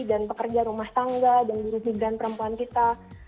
dan pekerja rumah tangga dan dirhubungkan perempuan kita